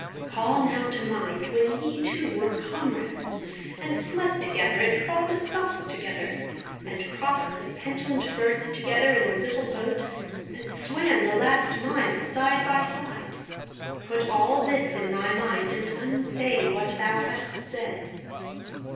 Call now to mind when ye two were comrades, and slept together, and fought the Scots together, and crossed the Pentland Firth together in a little boat, and swam the last mile side by side. Put all this in thy mind, and unsay what thou hast said."